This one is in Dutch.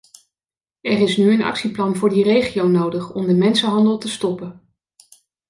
Er is nu een actieplan voor die regio nodig om de mensenhandel te stoppen.